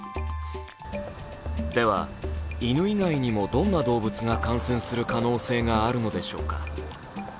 では、犬以外にもどんな動物が感染する可能性があるのでしょうか。